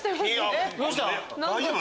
大丈夫？